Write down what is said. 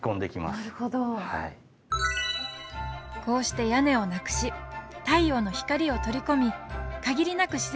こうして屋根をなくし太陽の光を取り込み限りなく